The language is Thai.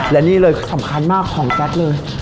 และนี่เลยสำคัญมากของแจ๊ดเลย